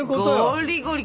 ゴリゴリ！